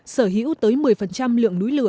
sở hữu tới một mươi lượng núi lửa